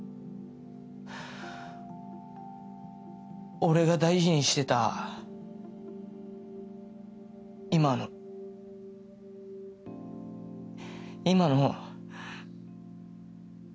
俺が大事にしてた今の今の。